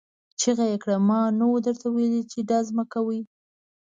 چيغه يې کړه! ما نه وو درته ويلي چې ډزې مه کوئ!